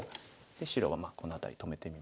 白はこの辺り止めてみますかね。